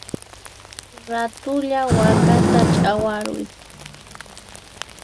Ratulla wakata chawaruy!